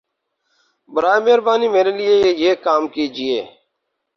براہَ مہربانی میرے لیے یہ کام کیجیے